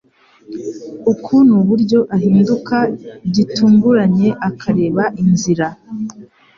Uku nuburyo ahinduka gitunguranye akareba inzira